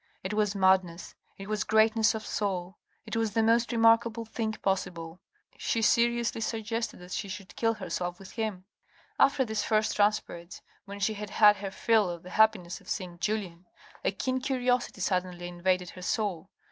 It was madness, it was greatness of soul, it was the most remarkable thing possible. She seriously suggested that she should kill herself with him. After these first transports, when she had had her fill of the happiness of seeing Julien, a keen curiosity suddenly invaded her soul.